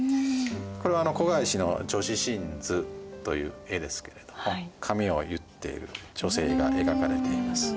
これは顧之の「女史箴図」という絵ですけれども髪を結っている女性が描かれています。